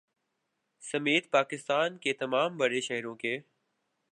سمیت پاکستان کے تمام بڑے شہروں کے